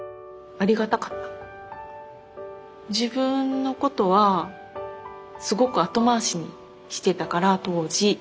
自分のことはすごく後回しにしてたから当時。